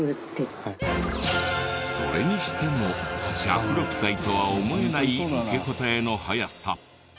それにしても１０６歳とは思えない受け答えの速さ。